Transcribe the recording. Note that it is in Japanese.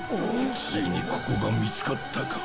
ついにここが見つかったか